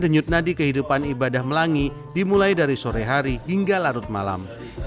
denyut nadi kehidupan ibadah melangi dimulai dari sore hari hingga larut malam